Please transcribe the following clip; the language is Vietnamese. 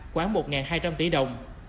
khoảng một hai trăm linh tỷ đồng